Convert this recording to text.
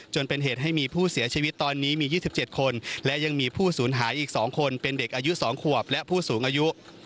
จนเป็นเหตุให้มีผู้เสียชีวิตตอนนี้มี๒๗คนและยังมีผู้สูญหายอีก๒คนเป็นเด็กอายุ๒ขวบและผู้สูงอายุ